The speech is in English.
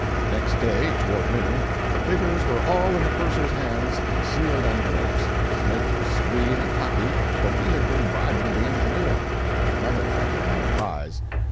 Next day, toward noon, the figures were all in the purser's hands in sealed envelopes. Smith was serene and happy, for he had been bribing the engineer. But another party won the prize!